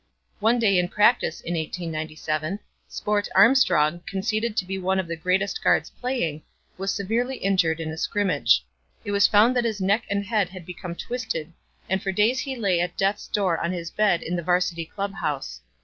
One day in practice in 1897, Sport Armstrong, conceded to be one of the greatest guards playing, was severely injured in a scrimmage. It was found that his neck and head had become twisted and for days he lay at death's door on his bed in the Varsity Club House.